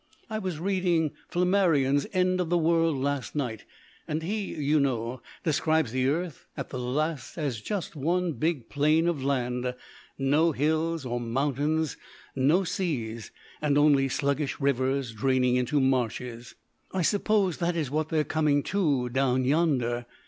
I was reading Flammarion's 'End of the World' last night, and he, you know, describes the earth at the last as just one big plain of land, no hills or mountains, no seas, and only sluggish rivers draining into marshes. "I suppose that is what they're coming to down yonder.